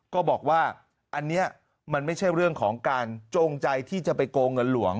ก็บอกว่าอันนี้มันไม่ใช่เรื่องของการจงใจที่จะไปโกงเงินหลวง